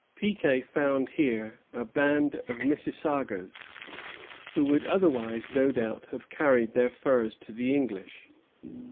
Piquet found here a band of Mississagas, who would otherwise, no doubt, have carried their furs to the English.